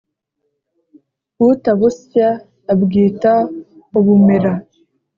Utabusya abwita ubumera.